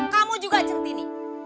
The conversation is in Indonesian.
kamu juga centini